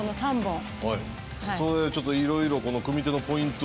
それちょっといろいろこの組み手のポイント